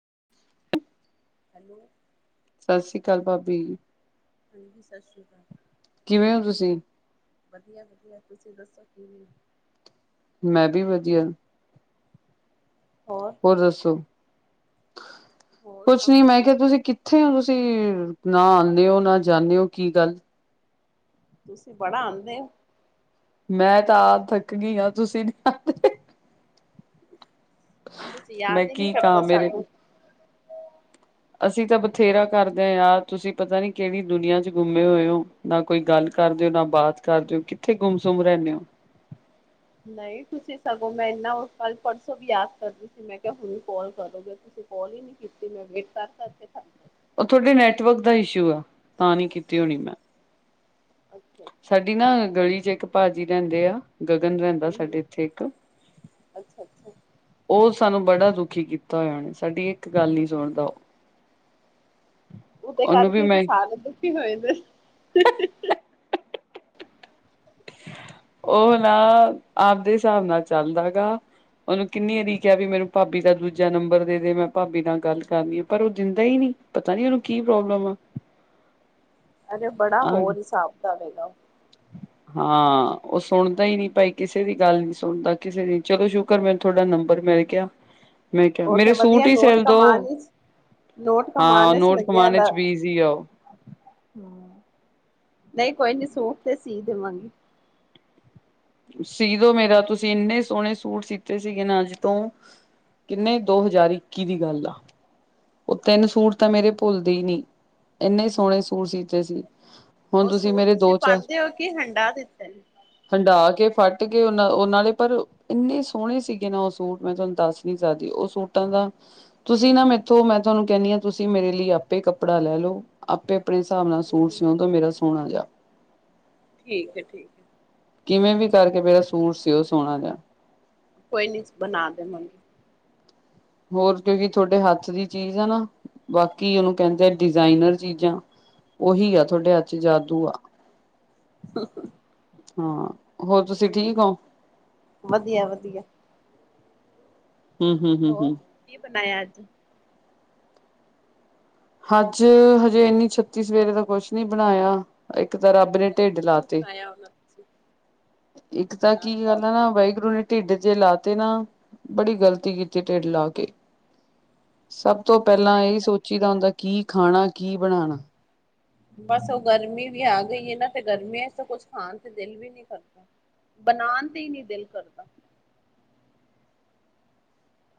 [inaudible] [inaudible] ਗੱਲ ਭਾਬੀ ਜੀ ਹਾਂਜੀ ਸਤਿ ਸ਼੍ਰੀ ਅਕਾਲ ਕਿਵੇਂ ਹੋ ਤੁਸੀਂ ਵਧੀਆ ਵਧੀਆ ਤੁਸੀਂ ਦੱਸੋ ਕਿਵੇਂ ਹੋ ਮੈਂ ਵੀ ਵਧੀਆ ਹੋਰ ਦੱਸੋ ਹੋਰ ਕੁੱਛ ਸਭ ਨੀ ਮੈਂ ਵਧੀਆ ਕਿਹਾ ਤੁਸੀਂ ਕਿੱਥੇ ਹੋ ਤੁਸੀਂ ਨ ਜਾਂਦੇ ਹੋ ਨਾ ਜਾਦੇ ਹੋ ਕੀ ਗੱਲ ਤੁਸੀਂ ਬੜਾ ਆਂਦੇ ਹੋ? ਮੈਂ ਤਾਂ ਆਪ ਥੱਕ ਗਈ ਹਾਂ ਤੁਸੀਂ ਨ [unintelligible] ਤੁਸੀ ਮੈਂ ਯਾਦ ਹੀ ਨੀ ਕੀ ਕਹਾਂ ਕਰਦੇ ਮੇਰੇ ਸਾਨੂੰ। ਅਸੀਂ ਤਾਂ ਬਥੇਰਾ ਕਰਦੇ ਹਾਂ ਯਾਦ। ਤੁਸੀਂ ਪਤਾ ਨੀ ਕਿਹੜੀ ਦੁਨੀਆਂ ਚ ਗੁੰਮੇ ਹੋਏ ਹੋ। ਨਾ ਕੋਈ ਗੱਲ ਕਰਦੇ ਹੋ ਨਾ ਬਾਤ ਕਰਦੇ ਹੋ। ਕਿੱਥੇ ਗੁੰਮਸੁੰਮ ਰਹਿੰਦੇ ਹੋ? ਨਹੀਂ, ਤੁਸੀਂ ਸਗੋਂ ਮੈਂ ਇਨਾ ਕੱਲ ਪਰਸੋਂ ਵੀ ਯਾਦ ਕਰਦੀ ਸੀ। ਮੈਂ ਕਿਹਾ ਹੁਣ ਕਾਲ ਕਰੋਗੇ। ਤੁਸੀਂ ਕਾਲ ਹੀ ਨੀ ਕੀਤੀ। ਮੈਂ ਵੇਟ ਕਰ ਕਰਕੇ ਥੱਕ ਉਹ ਤੁਹਾਡੇ ਨੈਟਵਰਕ ਦਾ ਇਸ਼ੂ ਆ। ਤਾਂ ਨਹੀਂ ਕੀਤੀ ਹੋਣੀ ਮੈਂ। ਅੱਛਾ ਅੱਛਾ ਸਾਡੀ ਨਾ ਗਲੀ ਚ ਇੱਕ ਭਾਜੀ ਰਹਿੰਦੇ ਆ। ਗਗਨ ਰਹਿੰਦਾ ਹਮ ਹਮ ਸਾਡੇ ਇੱਥੇ ਇੱਕ ਅੱਛਾ ਅੱਛਾ ਉਸ ਸਾਨੂੰ ਬੜਾ ਦੁਖੀ ਕੀਤਾ ਹੋਇਆ ਉਹਨੇ। ਸਾਡੀ ਇੱਕ ਗੱਲ ਨੀ ਸੁਣਦਾ ਉਹ। ਉਹਦੇ ਉਹਨੂੰ ਵੀ ਕਰਕੇ ਮੈਂ ਸਾਲ ਦੁਖੀ ਹੋਏ ਨੇ। [unintelligible] ਉਹ ਨਾ ਆਪਦੇ ਹਿਸਾਬ ਨਾਲ ਚੱਲਦਾ ਹੈਗਾ। ਓਹਨੂੰ ਕਿੰਨੀ ਆਰੀ ਕਿਹਾ ਮੈਨੂੰ ਭਾਬੀ ਦਾ ਦੂਜਾ ਨੰਬਰ ਦੇ ਦੇ। ਮੈਂ ਭਾਬੀ ਨਾਲ ਗੱਲ ਕਰਨੀ ਆ। ਪਰ ਉਹ ਦਿੰਦਾ ਹੀ ਨੀ ਪਤਾ ਨੀ ਨੂੰ ਕੀ ਪ੍ਰੋਬਲਮ ਆ? ਅਜੇ ਬੜਾ ਆ ਹੋਰ ਹਿਸਾਬ ਦਾ ਵੈ। ਹਾਂ, ਉਹ ਸੁਣਦਾ ਹੀ ਨਹੀਂ ਭਾਈ ਕਿਸੇ ਦੀ ਗੱਲ ਨੀ ਸੁਣਦਾ। ਕਿਸੇ ਦੀ। ਚਲੋ ਸ਼ੁਕਰ ਮੈਨੂੰ ਤੁਹਾਡਾ ਨੰਬਰ ਮਿਲ ਗਿਆ। ਮੈਂ ਕਿਹਾ ਉਹ ਤੇ ਮੇਰੇ ਵਧੀਆ ਸੂਟ ਹੀ ਨੋਟ ਸਿਲ ਦੋ। ਕਮਾਨ ਵਿਚ ਨੋਟ ਹਾਂ, ਕਮਾਨ ਚ ਨੋਟ ਲੱਗਿਆ ਕਮਾਣੇ ਦਾ ਚ ਬੀਜੀ ਆ ਉਹ। ਨਹੀਂ ਕੋਈ ਨੀ ਸੂਟ ਤੇ ਸੀ ਦੇਵਾਂਗੀ। ਸੀਦੋ ਮੇਰਾ ਤੁਸੀਂ ਇੰਨੇ ਸੋਹਣੇ ਸੂਟ ਸੀਤੇ ਸੀਗੇ ਨਾ ਅੱਜ ਤੋਂ ਕਿੰਨੇ ਦੋ ਹਜ਼ਾਰ ਇੱਕੀ ਦੀ ਗੱਲ ਆ ਉਹ ਤਿੰਨ ਸੂਟ ਤਾਂ ਮੇਰੇ ਭੁੱਲਦੇ ਹੀ ਨਹੀਂ। ਇੰਨੇ ਸੋਹਣੇ ਸੂਟ ਸੀਤੇ ਸੀ। ਹੁਣ ਉਹ ਸੂਟ ਮੇਰੇ ਤੁਸੀਂ ਦੋ ਚਾਰ ਪਾਉਂਦੇ ਹੋ ਕਿ ਹੰਡਾ ਦਿੱਤਾ ਨੇ। ਕੱਟ ਗਏ ਉਹ ਉਹੇ ਪਰ ਇੰਨੇ ਸੋਹਣੇ ਸੀਗੇ ਨਾ ਉਹ ਸੂਟ ਮੈਂ ਤੁਹਾਨੂੰ ਦੱਸ ਨੀ ਸਕਦੀ। ਉਹ ਸੂਟਾਂ ਦਾ ਤੁਸੀਂ ਨਾ ਮੇ ਮੈਂ ਤੁਹਾਨੂੰ ਕਹਿੰਨੀ ਹਾਂ ਤੁਸੀਂ ਮੇਰੇ ਲਈ ਆਪੇ ਕੱਪੜਾ ਲੈ ਲੌ ਆਪੇ ਆਪਣੇ ਹਿਸਾਬ ਨਾਲ ਸੂਟ ਸੀਓ ਮੇਰਾ ਸੋਹਣਾ ਜਿਹਾ। ਠੀਕ ਐ, ਠੀਕ ਐ। ਕਿਵੇਂ ਵੀ ਕਰਕੇ ਮੇਰਾ ਸੂਟ ਸੀਉ ਸੋਨਾ ਜਿਹਾ। ਕੋਈ ਨੀ ਬਣਾ ਦੇਵਾਂਗੇ। ਹੋਰ ਕਿਉਂਕਿ ਤੁਹਾਡੇ ਹੱਥ ਦੀ ਚੀਜ਼ ਹੈ ਨਾ ਬਾਕੀ ਕੀ ਉਹਨੂੰ ਕਹਿੰਦੇ ਡਿਜ਼ਾਇਨਰ ਚੀਜ਼ਾਂ ਉਹੀ ਆ ਤੁਹਾਡੇ ਹੱਥ ਚ ਜਾਦੂ ਆ। [inaudible] ਹਾਂ, ਹੋਰ ਤੁਸੀਂ ਠੀਕ ਔ? ਵਧੀਆ, ਵਧੀਆ। ਹੂੰ, ਹੂੰ, ਹੂੰ, ਹੂੰ। ਦਾ ਅੱਜ। ਅੱਜ ਹਜੇ ਇੰਨੀ ਛੇਤੀ ਸਵੇਰੇ ਦਾ ਕੁਛ ਨੀ ਬਣਾਇਆ। ਇੱਕ ਤਾਂ ਰੱਬ ਅਜੇ ਨੇ ਢਿੱਡ ਕੁਛ ਵੀ ਨੀ ਲਾਤੇ। ਬਣਾਇਆ ਹੋਣਾ ਤੁਸੀਂ ਇੱਕ ਤਾਂ ਕੀ ਨਾਸ਼ਤਾ ਗੱਲ ਹੋ ਆ ਨਾ ਗਿਆ ਵਾਹਿਗੁਰੂ ਨੇ ਢਿੱਡ ਜੇ ਲਾ ਤੇ ਨਾ ਬੜੀ ਗ਼ਲਤੀ ਕੀਤੀ ਢਿੱਡ ਲਾ ਕੇ। ਸਭ ਤੋਂ ਪਹਿਲਾਂ ਸਹੀ ਇਹੀ ਗੱਲ ਸੋਚੀ ਦਾ ਹੁੰਦਾ। ਕੀ ਖਾਣਾ? ਕੀ ਬਣਾਣਾ? ਬਸ ਉਹ ਗਰਮੀ ਵੀ ਆ ਗਈ ਹੈ ਨਾ ਤੇ ਗਰਮੀਆਂ ਤੋਂ ਕੁਛ ਖਾਣ ਤੇ ਦਿਲ ਵੀ ਨਹੀਂੀ ਕਰਦਾ ਬਣਾਉਣ ਤੇ ਹੀ ਨਹੀਂੀ ਦਿਲ ਕਰਦਾ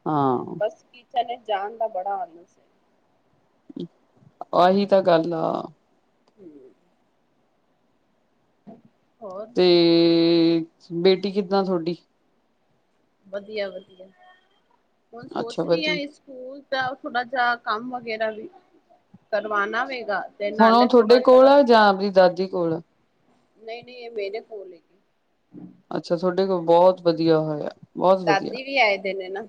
ਹਾਂ ਬਸ ਕਿਚਨ ਜਾਣ ਦਾ ਬੜਾ ਆਨੂ ਸੀ ਆਹੀ ਤਾਂ ਗੱਲ ਆ ਹਮ [inaudible] ਤੇ ਬੇਟੀ ਕਿੱਦਾਂ ਤੁਹਾਡੀ ਵਧੀਆ- ਵਧੀਆ ਹੁਣ ਅੱਛਾ ਸੋਚ ਰਹੀ ਹ ਵਧੀਆ ਇਸ ਸਕੂਲ ਥੋੜਾ ਜਿਹਾ ਕੰਮ ਵਗੈਰਾ ਵੀ ਕਰਵਾਣਾ ਵੇ ਹੁਣ ਉਹ ਤੁਹਾਡੇ ਕੋਲ ਆ ਜਾਂ ਆਪਦੀ ਦਾਦੀ ਕੋਲ ਨਹੀਂ- ਨਹੀਂ ਇਹ ਮੇਰੇ ਕੋਲ ਹੈਗੀ ਅੱਛਾ ਤੁਹਾਡੇ ਕੋਲ ਬਹੁਤ ਵਧੀਆ ਹੋਇਆ ਬਹੁਤ ਵਧੀਆ ਦਾਦੀ ਵੀ ਆਏ ਦਿ ਨੇ ਨਾ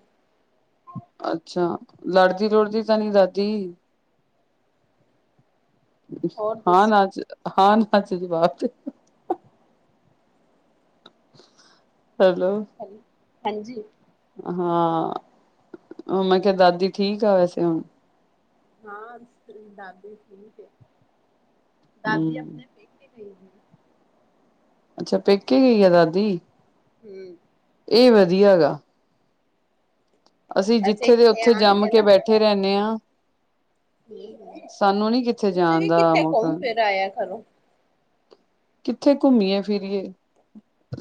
ਅੱਛਾ ਲੜਦੀ ਲੁੜਦੀ ਤਾਂ ਨਹੀਂੀ ਦਾਦੀ [inaudible] ਹੋਰ ਦੱਸੋ ਅੱਛਾ ਜੀ ਬਾਪ ਤੇ ਹੈਲੋ ਹੈਲੋ ਹਾਂਜੀ ਹਾਂ ਉਹ ਮੈਂ ਕਿਹਾ ਦਾਦੀ ਠੀਕ ਆ ਵੈਸੇ ਹੁਣ ਹਾਂ ਦਾਦੇੇ ਦਾਦੀ ੜੀਕ ਹੈ ਦਾਦੀ ਹਮ ਆਪਣੇ ਪੇਕੇ ਗਈ ਅੱਛਾ ਪੇਕੇ ਗਈ ਆ ਦਾਦੀ ਹਮ ਇਹ ਵਧੀਆ ਹੈਗਾ ਅਸੀਂ ਅੱਛਾ ਜਿੱਥੇ ਦੇ ਇੱਥੇ ਉੱਥੇ ਜੰਮ ਆਣਗੇ ਨਾ ਕੇ ਬੈਠੇ ਰਹਿੰਦੇ ਹਾਂ ਤੁਸੀਂ ਸਾਨੂੰ ਨੀ ਕਿੱਥੇ ਜਾਣ ਵੀ ਦਾ ਕਿੱਥੇ ਘੁੰਮ ਮੌਕਾ ਫਿਰ ਆਇਆ ਕਰੋ ਕਿੱਥੇ ਘੁੰਮੀਏ ਫਿਰੀਏ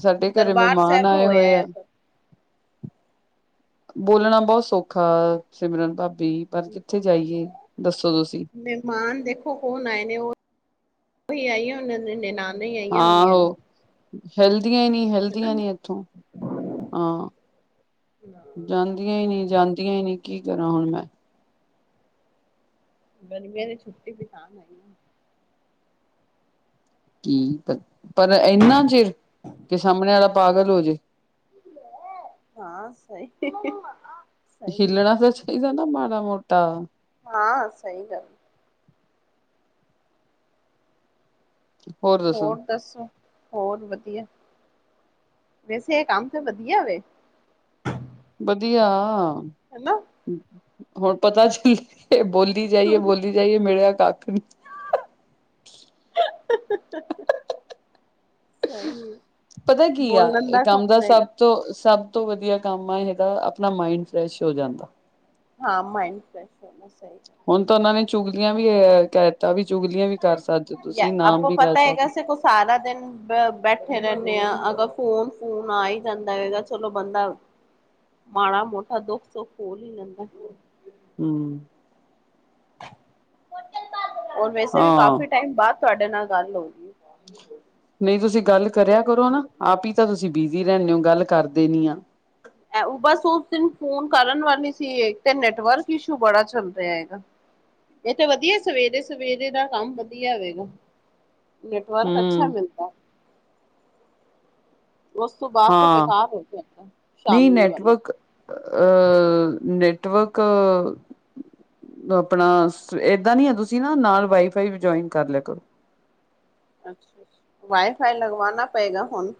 ਸਾਡੇ ਘਰੇ ਦਰਬਾਰ ਮਹਿਮਾਨ ਸਾਹਿਬ ਆਏ ਹੋਇਆ ਹੋਏ ਆ ਆਇਆ ਕਰੋ ਬੋਲਣਾ ਬਹੁਤ ਸੌਖਾ ਸਿਮਰਨ ਬਾਬ ਬ ਪਰ ਕਿੱਥੇ ਜਾਈਏ ਦੱਸੋ ਤੁਸੀਂ ਮਹਿਮਾਨ ਦੇਖੋ ਕੌਣ ਆਏ ਨੇ ਉਹੀ ਆਈ ਆ ਉਹਨ ਨ ਆਈਆਂ ਹੁੰਦੀਆਂ ਨੇ ਹੈਲਥ ਦੀਆਂ ਹੀ ਨੀ ਹਨਾ ਹਲਦੀਆਂ ਨੀ ਇੱਥੋਂ ਹਾਂ ਜਾਂਦੀਆਂ ਹੀ ਨੀ ਜਾਂਦੀਆਂ ਹੀ ਨਹੀਂੀ ਕੀ ਕਰਾਂ ਹੁਣ ਮੈਂ ਗਰਮੀਆਂ ਦੀ ਛੁੱਟੀ ਬਿਤਾਂ ਆਈ ਆ ਕੀ ਪਰ ਪਰ ਇੰਨਾ ਚਿਰ ਕਿ ਸਾਹਮਣੇ ਵਾਲਾ ਪਾਗਲ ਹੋ ਜੇ ਹਾਂ ਸਹੀ ਸਹੀ ਹੈ ਹਿੱਲਣਾ ਤਾਂ ਚਾਹੀਦਾ ਨਾ ਮਾੜਾ ਮਾੜਾ ਮੋਟਾ ਹਾਂ ਸਹੀ ਗੱਲ ਹੋਰ ਦੱਸੋ ਹੋਰ ਵਧੀਆ ਵੈਸੇ ਇਹ ਕੰਮ ਤੇਂ ਵਧੀਆ ਵੇ। ਵਧੀਆ ਹੈਨਾ ਹੁਣ ਪਤਾ ਚੱਲ ਇਹ ਬੋਲੀ ਬੋਲੀ ਜਾਇੇਏ ਬੋਲੀ ਜਾਇਏ ਮੇਰਾ ਕੱਖ ਨੀ [inaudible] ਸਹੀ ਹੈ, ਪਤਾ ਕੀ ਆ ਇਹ ਕੰਮ ਦਾ ਸਭ ਤੋਂ ਸਭ ਸਭ ਤੋਂ ਵਧੀਆ ਕੰਮ ਆ ਇਹਗਾ ਆਪਣਾ ਮਾਇੰਡ ਫਰੈਸ਼ ਹੋ ਹਾਂ ਮਾਈਂਡ ਫਰੈਸ਼ ਹੋਣਾ ਸਹੀ ਹੁਣ ਤਾਂ ਉਹਨਾਂ ਨੇ ਚੁਗ ਗਲੀਆਂ ਵੀ ਕਹਿ ਦਿੱਤਾ ਵੀ ਚੁਗਲੀਆਂ ਵੀ ਕਰ ਸਕਦੇ ਹੋ ਤੁਸੀਂ ਨਾਮ ਆਪਾਂ ਵੀ ਲੈ ਪਤਾ ਹੈਗਾ ਸਕਦੇ ਸੇ ਕੋ ਸਾਰਾ ਦਿਨ ਬੈਠੇ ਰਹਿੰਦੇ ਅਗਰ ਫੋਨ ਫੋਨ ਆ ਹੀ ਜਾਂਦਾ ਹੈਗਾ ਚਲੋ ਬੰਦਾ ਮਾੜਾ ਮੋਟਾ ਦੁੱਖ ਸੁੱਖ ਖੋਲ ਹੀ ਲੈਂਦਾ ਹੱਮ ਔਰ ਵੈਸੇ ਵੀ ਹਾਂ ਕਾਫੀ ਟਾਈਮ ਬਾਅਦ ਤੁਹਾਡੇ ਨਾਲ ਗੱਲ ਹੋ ਗੀ ਨਹੀਂ ਤੁਸੀਂ ਗੱਲ ਕਰਿਆ ਕਰੋ ਨਾ ਆਪ ਹੀ ਤਾਂ ਤੁਸੀਂ ਬਿਜੀ ਰਹਿੰਦੇ ਹੋ ਗੱਲ ਕਰਦੇ ਨੀ ਆ ਬਸ ਉਸ ਦਿਨ ਫੋਨ ਕਰਨ ਵਾਲੀ ਸੀ ਤੇ ਨੈਟਵਰਕ ਇਸ਼ੂ ਬੜਾ ਚੱਲ ਰਿਹਾ ਹੈਗਾ ਇਹ ਤੇ ਵਧੀਆ ਸਵੇਰੇ ਸਵੇਰੇ ਦਾ ਕੰਮ ਵਧੀਆ ਹੋਵੇਗਾ ਨੈਟਵਰਕ ਅੱਛਾ ਹੂੰ ਮਿਲਦਾ ਉਸ ਤੋਂ ਬਾਅਦ ਤਾਂ ਹਾਂ ਬੇਕਾਰ ਹੋ ਜਾਂਦਾ ਸ਼ਾਮੀ ਵਾਲਾ ਅਹ ਨੈਟਵਰਕ ਆਪਣਾ ਏਦਾਂ ਨ ਹੈ ਤੁਸੀਂ ਨਾ ਨਾਲ ਵਾਈਫਾਈ ਵੀ ਜੋਇਨ ਕਰ ਲਿਆ ਕਰੋ ਅੱਛਾ-ਅੱਛਾ ਵਾਈਫਾਈ ਲਗਵਾਣਾ ਪਏਗਾ ਹੁਣ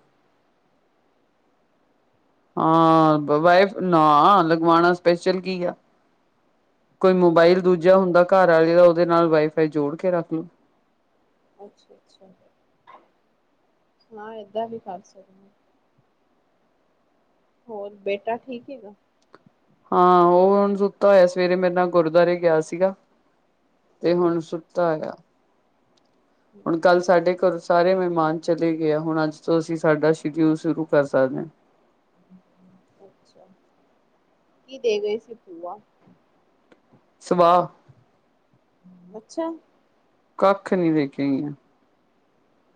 ਹਾਂ ਵਾਈਫ ਨਾ ਲਗਵਾਉਣਾ ਸਪੈਸ਼ਲ ਕੀ ਆ ਕੋਈ ਮੋਬਾਈਲ ਦੂਜਾ ਹੁੰਦਾ ਘਰ ਵਾਲੇ ਦਾ ਉਹਦੇ ਨਾਲ ਵਾਈਫਾਈ ਜੋੜ ਕੇ ਰੱਖ ਲੋ ਅੱਛਾ-ਅੱਛਾ ਹਾਂ ਏਦਾਂ ਵੀ ਕਰ ਸਕਦੇ ਹੋਰ ਬੇਟਾ ਠੀਕ ਹੈਗਾ ਹਾਂ ਉਹ ਹੁਣ ਸੁੱਤਾ ਹੋਇਆ ਸਵੇਰੇ ਮੇਰੇ ਨਾਲ ਗੁਰਦੁਆਰੇ ਗਿਆ ਸੀਗਾ। ਤੇ ਹੁਣ ਅੱਛਾ ਅੱਛਾ ਸੁੱਤਾ ਹੈਗਾ ਹੁਣ ਕੱਲ ਸਾਡੇ ਘਰੋਂ ਸਾਰੇ ਮਹਿਮਾਨ ਚਲੇ ਗਏ ਆ ਹੁਣ ਅੱਜ ਤੋਂ ਅਸੀਂ ਸਾਡਾ ਸ਼ਡਿਊਲ ਸ਼ੁਰੂ ਕਰ ਸਕਦੇ ਹਾਂ ਅੱਛਾ ਕੀ ਦੇ ਗਏ ਸੀ ਪੂਆ ਸਵਾਾਹ ਅੱਛਾ ਕੱਖ ਨਹੀਂੀ ਦੇਕੇਗਾਇਆ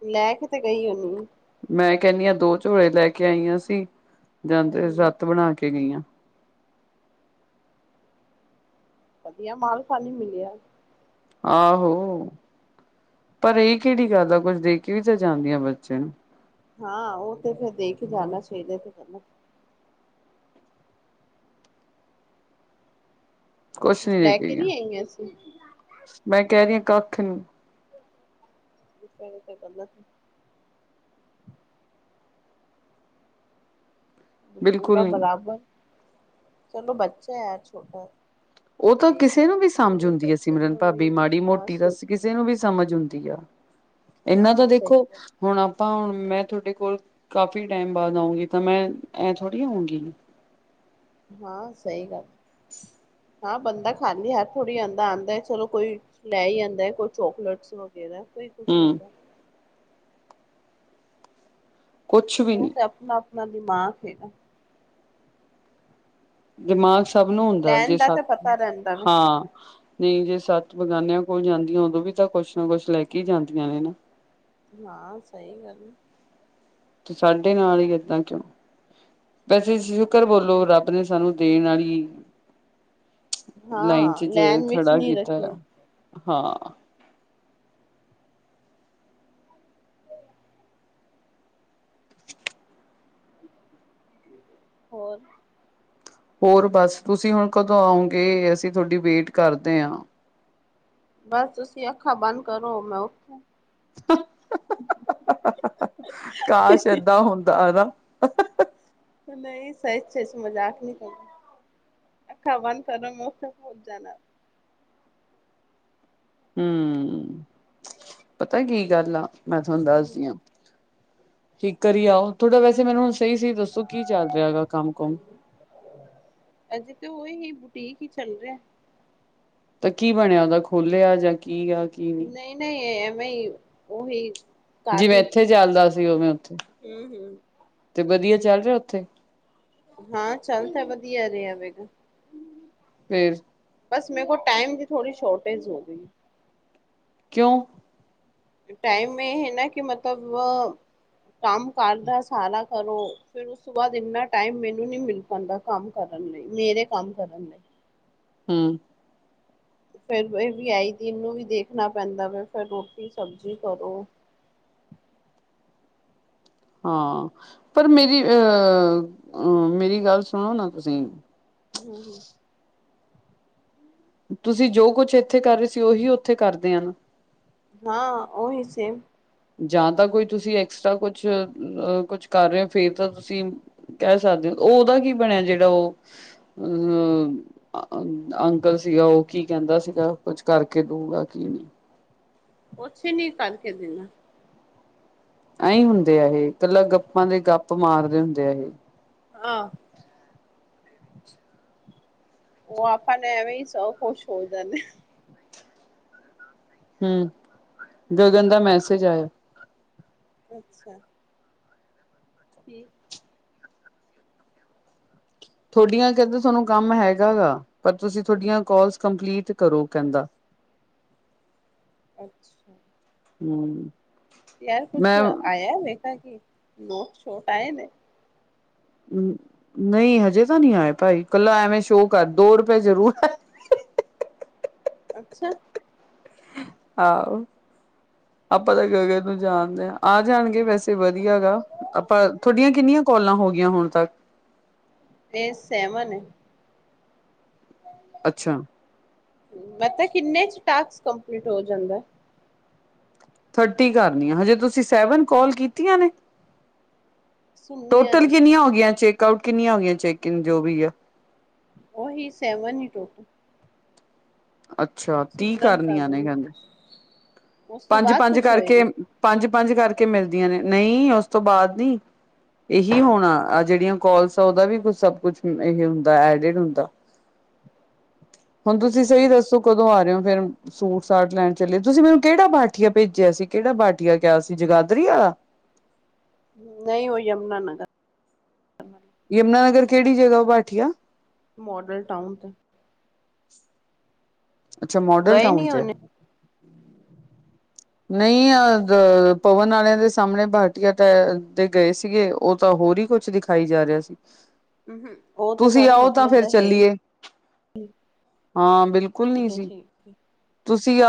ਲੈ ਕੇ ਤੇ ਗਈ ਉਹਨੀ ਮੈਂ ਕਹਿੰਦੀ ਹ ਦੋ ਝੋਲੇੇ ਲੈ ਕੇ ਆਈਆਂ ਸੀ ਜਾਂਦੇ ਹਮ ਸੱਤ ਬਣਾ ਕੇ ਗਈਆਂ ਵਧੀਆ ਮਾਲ ਖਾਲੀ ਮਿਲਿਆ ਆਹੋ ਪਰ ਇਹ ਕਿਹੜੀ ਗੱਲ ਆ ਕੁੱਝ ਦੇ ਕੇ ਵੀ ਤਾਂ ਜਾਂਦੀ ਆ ਬੱਚੇ ਨੂੰ ਹਾਂ ਉਹ ਤੇ ਫਿਰ ਦੇ ਕੇ ਜਾਣਾ ਸਵੇਰੇ ਤੇ ਕਰਨਾ ਕੁਛ ਨੀ ਲੈ ਕੇ ਦੇਖੀਆਂ ਨਹੀਂ ਆਈਆਂ ਸੀ ਮੈਂ ਕਹਿ ਰਹੀ ਆ ਕੱਖ ਨੀ ਤਾਂ ਕਰਦਾ ਬਿਲਕੁਲ ਪੂਰਾ ਨੀ ਬਰਾਬਰ ਚਲੋ ਬੱਚਾ ਯਾਰ ਛੋਟਾ ਉਹ ਤਾਂ ਦੇਖ ਕਿਸੇ ਨੂੰ ਵੀ ਸਮਝ ਉਹਨੂੰ ਆਉੁੰਦੀ ਆ ਬੱਚੇ ਸਿਮਰਨ ਨੂੰ ਭਾਬੀ ਵੀ ਮਾੜੀ ਹਾਂ ਮੋਟੀ ਦਾ ਸੋਚਦੀ ਕਿਸੇ ਨੂੰ ਵੀ ਸਮਝ ਆੁੰਦੀ ਆ ਇਹਨਾਂ ਤਾਂ ਹਾਂ ਸਹੀ ਦੇਖੋ ਗੱਲ ਹੁਣ ਆਪਾਂ ਹੁਣ ਮੈਂ ਤੁਹਾਡੇ ਕੋਲ ਕਾਫੀ ਟਾਈਮ ਬਾਅਦ ਆਊਂਗੀ ਤਾਂ ਮੈਂ ਐ ਥੋੜ੍ਹੀ ਆਊਂਗੀ ਹਾਂ ਸਹੀ ਗੱਲ ਹਾਂ ਬੰਦਾ ਖਾਲੀ ਹੱਥ ਥੋੜ੍ਹੀ ਆਉਂਦਾ-ਆਉਂਦਾ ਹੈ ਚਲੋ ਕੋਈ ਲੈ ਹੀ ਆਉਦਾ ਹੈ ਕੋਈ ਚੋਕਲੇਟਸ ਵਗਰਾ ਕੋਈ ਕੁਛ ਹੂੰ ਹੁੰਦਾ ਕੁਛ ਵੀ ਉਹ ਨੀ ਤੇ ਆਪਣਾ ਨ ਦੀ ਮਾਂ ਸੀ ਨਾ ਦਿਮਾਗ ਸਭ ਨੂੰ ਹੁੰਦਾ ਲੈਣ ਜੇ ਦਾ ਸਤ ਤਾਂ ਪਤਾ ਰਹਿੰਦਾ ਵਾ ਹਾਂ ਨਹੀਂ ਜੇ ਸਤ ਬਗਾਨਿਆਂ ਕੋਲ ਜਾਂਦੀਆਂ ਉਦੋਂ ਵੀ ਤਾਂ ਕੁਛ ਨਾ ਕੁਛ ਲੈ ਕੇ ਹੀ ਜਾਂਦੀਆਂ ਨੇ ਨਾ ਹਾਂ ਸਹੀ ਗੱਲ ਤੇ ਸਾਡੇ ਨਾਲ ਹੀ ਏਦਾਂ ਕਿਉਂ ਵੈਸੇ ਸ਼ੁਕਰ ਬੋਲੋ ਰੱਬ ਨੇ ਸਾਨੂੰ ਦੇਣ ਵਾਲੀ ਲਾਈਨ ਚ ਹਾਂ ਜ ਲੈਣ ਵਿੱਚ ਖੜਾ ਨੀ ਕੀਤਾ ਰੱਖਿਆ ਆ ਹਾਂ ਹੋਰ ਹੋਰ ਬਸ ਤੁਸੀਂ ਹੁਣ ਕਦੋਂ ਆਉਂਗੇ ਅਸੀਂ ਤੁਹਾਡੀ ਵੇਟ ਕਰਦੇ ਹਾਂ ਬਸ ਤੁਸੀਂ ਅੱਖਾਂ ਬੰਦ ਕਰੋ ਮੈਂ ਓਥੇ ਕਾਸ਼ ਏਦਾਂ ਹੁੰਦਾ ਹਨਾ [inaudible] ਨਹੀਂ ਸਹੀ ਚੇ ਮਜ਼ਾਕ ਨਹੀਂ ਅਖਾ ਬਦ ਕਰੋ ਮ ਆ ਜਾਣਾ ਹਮ ਪਤਾ ਕੀ ਗੱਲ ਆ ਮੈਂ ਤੁਹਾਨੂੰ ਦੱਸਦੀ ਹਾਂ ਠੀਕ ਕਰੀ ਆਓ ਥੋੜਾ ਵੈਸੇ ਮੈਨੂੰ ਸਹੀ ਸੀ ਦੱਸੋ ਕੀ ਚੱਲ ਰਿਹਾ ਗਾ ਕੰਮ ਕੁਮ ਕੋਈ ਨਹੀਂ ਬੁਟੀਕ ਹੀ ਚੱਲ ਰਿਹਾ ਤਾਂ ਕੀ ਬਣਿਆ ਉਹਦਾ ਖੋਲਿਆ ਜਾਂ ਕੀ ਆ ਕੀ ਨਹੀਂ ਐਵੇਂ ਹੀ ਉਹੀ ਕਰ ਜਿਵੇੈਂ ਰਹੀ ਇੱਥੇ ਚੱਲਦਾੱਸ ਸੀ ਉਹਵੇ ਹੂੰ ਹੂੰ ਤੇ ਵਧੀਆ ਚੱਲ ਰਿਹਾ ਉੱਥੇ ਹਾਂ ਚੱਲ ਤਾਂ ਵਧੀਆ ਰਿਹਾ ਵੇਗਾ ਫੇਰ ਬਸ ਮੇਰੇ ਕੋ ਟਾਈਮ ਦੀ ਥੋੜੀ ਸ਼ੋਰਟੇਜ ਹੋ ਗਈ ਕਿਉਂ ਟਾਈਮ ਇਹ ਹੈ ਨਾ ਕਿ ਮਤਲਬ ਕੰਮ ਕਰਦਾ ਸਾਰਾ ਕਰੋ ਫਿਰ ਉਸ ਤੋਂ ਬਾਅਦ ਇਨਾ ਟਾਈਮ ਮੈਨੂੰ ਨ ਮਿਲ ਪਾਉਦਾ ਕੰਮ ਕਰਨ ਲਈ ਮੇਰੇ ਕੰਮ ਕਰਨ ਲਈ ਹਮ ਫੇਿਰ ਇਹ ਵੀ ਆਈ ਦਿਨ ਨੂੰ ਵੀ ਦੇਖਣਾ ਪੈਂਦਾ ਵ ਫਿਰ ਰੋਟੀ ਸਬਜ਼ੀ ਕਰੋ ਹਾਂ ਪਰ ਮੇਰੀ ਅਹ ਅ ਮੇਰੀ ਗੱਲ ਸੁਣੋ ਨਾ ਤੁਸੀਂ ਹਮ ਹਮ ਤੁਸੀਂ ਜੋ ਕੁਛ ਇੱਥੇ ਕਰ ਰਹੇ ਸੀ ਉਹੀ ਉੱਥੇ ਕਰਦੇ ਹਨ ਹਾਂ ਉਹਹੀ ਸੇਮ ਜਾਂ ਤਾਂ ਕੋਈ ਤੁਸੀਂ ਐਕਸਟਰਾ ਕੁਛ ਕੁਛ ਕਰ ਰਹੇ ਹੋ ਫੇਰ ਤਾਂ ਤੁਸੀਂ ਕਹਿ ਸਕਦੇ ਹੋ ਉਹਦਾ ਕੀ ਬਣਿਆ ਜਿਹੜਾ ਉਹ ਅ ਅੰਕਲ ਸੀਗਾ ਉਹ ਕੀ ਕਹਿੰਦਾ ਸੀਗਾ ਕੁਛ ਕਰਕੇ ਦਊਗਾ ਕੀ ਨਹੀਂ ਉੱਛੇ ਨੀ ਕਰਕੇ ਦਿੰਨਾ ਐਹੀ ਹੁੰਦੇ ਆ ਇਹ ਇਕੱਲਾ ਗੱਪਾਂ ਦੇ ਗੱਪ ਮਾਰਦੇ ਹੁੰਦੇ ਇਹ ਆਹ ਉਹ ਆਪਾਂ ਨੇ ਐਵੇਂ ਹੀ ਸ ਖੁਸ਼ ਹੋ ਜਾਂਦੇ ਹਮ ਗਗਨ ਦਾ ਮੈਸੇਜ ਆਇਆ ਅੱਛਾ [inaudible] ਤੁਹਾਡੀਆਂ ਕਹਿੰਦੇ ਤੁਹਾਨੂੰ ਕੰਮ ਹੈਗਾ ਗਾ ਪਰ ਤੁਸੀਂ ਤੁਹਾਡੀਆਂ ਕੋਲਸ ਕੰਪਲੀਟ ਕਰੋ ਕਹਿੰਦਾ ਅੱਛਾ ਹਮ ਯਾਰ ਕੁੱਛ ਆਇਆ ਵੇਖਾ ਕੀ ਨੋਟ ਛੋਟ ਆਏ ਨੇ ਨਹੀਂ ਹਜੇ ਤਾਂ ਨਹੀਂੀ ਆਏ ਭਾਈ ਇਕੱਲਾ ਐਵੇਂ ਸ਼ੋਅ ਕਰ ਦੌੜ ਪਏ ਜ਼ਰੂਰ ਅੱਛਾ ਆਹੋ ਆਪਾਂ ਤਾਂ ਗਗਨ ਨੂੰ ਜਾਣਦੇ ਹਾਂ ਆ ਜਾਣਗੇ ਵੈਸੇ ਵਧੀਆ ਗਾ ਆਪਾਂ ਤੁਥਹਾਡੀਆਂ ਕਿੰਨੀਆਂ ਕੋਾਲਾਂ ਹੋ ਗਈਆਂ ਹੁਣ ਤੱਕ ਇਹ ਸੈਵਨ ਅੱਛਾ ਮਤਾ ਕਿੰਨੇ ਚ ਟਸਕ ਕੰਪਲੀਟ ਹੋ ਜਾਂਦਾ ਥਰਟੀ ਕਰਨੀ ਆ ਹਜੇ ਤੁਸੀਂ ਸੈਵਨ ਕਾਲ ਕੀਤੀਆਂ ਨੇ ਸੁਣਨੀਆਂ ਟੋਟਲ ਨੇ ਕਿੰਨੀਆਂ ਹੋ ਗਈਆਂ ਚੇਕ ਕਿੰਨੀਆਂ ਹੋਗਆਂ ਚੈਕਿੰਨ ਜੋ ਵੀ ਹੈ ਓਹੀ ਸੈਵਨ ਹੀ ਟੋਟ ਅੱਛਾ ਤੀਹ ਕਰਨੀਆਂ ਨੇ ਕਰਨ ਕਹਿੰਦੇ ਉਸ ਤੋਂ ਪੰਜ ਬਾਅਦ ਪੰਜ ਕੁਛ ਕਰਕੇ ਹੋਏਗਾ ਪੰਜ ਪੰਜ ਕਰਕੇ ਮਿਲਦੀਆਂ ਨੇ ਨਹੀਂ ਉਸਤ ਬਾਅਦ ਨੀ ਇਹੀ ਹੋਣਾ ਜਿੜ ਕੋਾਲਸ ਓਦਾ ਵੀ ਕੁ ਸਬ ਕੁਛ ਹੁੰਦਾਡ ਹੁੰਦਾ ਹੁਣ ਤੁਸੀਂ ਸਹੀ ਅੱਛਾ ਦੱਸੋ ਕਦੋਂ ਆ ਰਹੇ ਹੋ ਫੇਿਰ ਸੂਟ ਸਾਟ ਲੈਣ ਚੱਲੇ ਤੁਸੀਂ ਮੈਨੂੰ ਕਿਹੜਾ ਬਾਠੀਆ ਭੇਜਿਆ ਸੀ ਕਿਹੜਾ ਬਾਠੀਆ ਕਿਹਾ ਸੀ ਜਗਾਦਰੀ ਵਾਲਾ ਨਹੀਂ ਉਹ ਯਮੁਨਾਾਨਗਰ ਯਮੁਨਾਨਗ ਕਿਹੜੀ ਜਗ੍ਹਾ ਉ ਬਠੀਆ ਮਾਡਲ ਟਾਊਨ ਤੇ ਅੱਛਾ ਮੋਡਲ ਗਏ ਟਾਊਨ ਨੀ ਉਹਨੇ ਨਹੀਂ ਅ ਪਵਨ ਵਾਲਿਆਂ ਦੇ ਸਾਹਮਣੇ ਬਾਟੀਆ ਟ ਦੇ ਗਏ ਸੀਗੇ ਉਹ ਤਾਂ ਹੋਰ ਹੀ ਕੁਛ ਦਿਖਾਈ ਜਾ ਰਿਹਾ ਸੀ ਉਹ ਤੇ ਤੁਸੀਂ ਤੁਹਾਡੇ ਆਓ ਤਾਂ ਮਤਲਬ ਫਿਰ ਦਾ ਹੈ ਹੀ ਚੱਲੀਏ ਹਾਂ ਬਿਲਕੁਲ ਨਹੀਂ ਠੀਕ ਹੈ ਜੀ ਠੀਕ ਸੀਗਾ